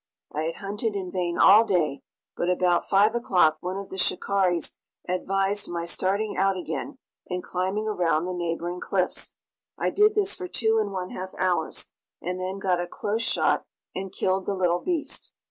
I had hunted in vain all day, but about 5 o'clock one of the shikaris advised my starting out again and climbing around the neighboring cliffs. I did this for two and one half hours, and then got a close shot and killed the little beast.